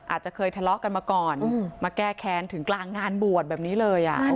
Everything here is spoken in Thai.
อาจจะเคยทะเลาะกันมาก่อนมาแก้แค้นถึงกลางงานบวชแบบนี้เลย